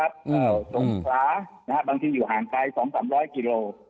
ตรงฟ้าบางที่อยู่ห่างไกล